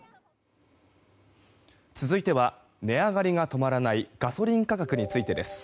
続いては値上がりが止まらないガソリン価格についてです。